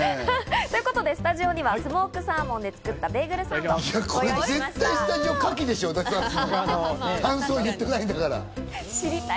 ということで、スタジオにはスモークサーモンで作ったベーグルサンドを用意しました。